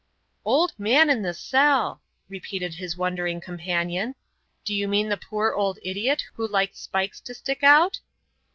"Old man in the cell!" repeated his wondering companion. "Do you mean the poor old idiot who likes spikes to stick out?"